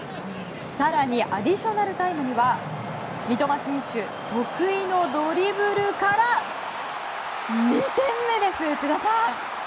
更にアディショナルタイムには三笘選手、得意のドリブルから２点目です、内田さん。